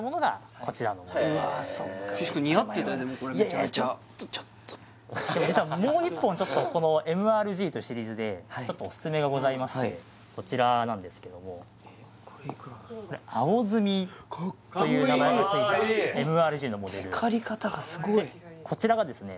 いやいやちょっとちょっと実はもう一本ちょっとこのＭＲ−Ｇというシリーズでちょっとおすすめがございましてこちらなんですけどもかっこいい！という名前がついたＭＲ−Ｇのモデルテカり方がすごいこちらがですね